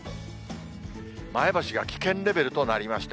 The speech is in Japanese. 前橋が危険レベルとなりました。